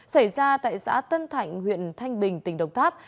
xảy ra tại xã tân thạnh huyện thanh bình tỉnh đồng tháp